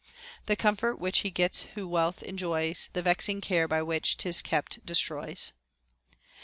The comfort which he gets who wealth enjoys, The vexing care by which 'tis kept destroys.